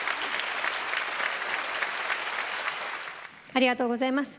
ありがとうございます。